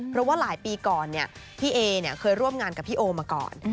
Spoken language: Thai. เพราะว่าหลายปีก่อนพี่เอเคยร่วมงานกับพี่โอมาก่อน